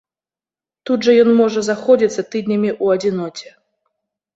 Тут жа ён можа заходзіцца тыднямі ў адзіноце.